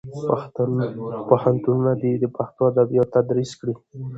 پوهنتونونه دې پښتو ادبیات تدریس کړي.